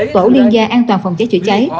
tổ liên gia an toàn phòng cháy chữa cháy